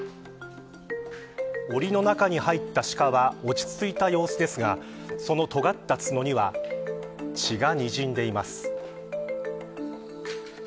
おりの中に入ったシカは落ち着いた様子ですがそのとがった角には血がにじんでいます。